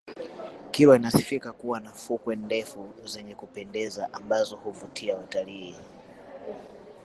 kilwa inasifika kuwa na fukwe ndefu zenye kupendeza ambazo huvutia watalii